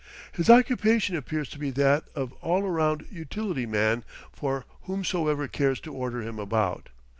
His occupation appears to be that of all round utility man for whomsoever cares to order him about.